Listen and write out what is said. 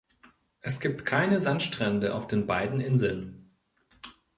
Es gibt keine Sandstrände auf den beiden Inseln.